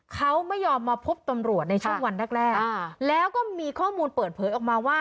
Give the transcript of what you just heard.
เขาไม่ยอมมาพบตำรวจในช่วงวันแรกแล้วก็มีข้อมูลเปิดเผยออกมาว่า